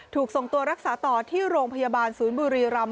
ถูกส่งตัวรักษาต่อที่โรงพยาบาลศูนย์บุรีรำ